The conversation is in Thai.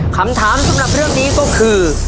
คำถามสำหรับเรื่องนี้ก็คือ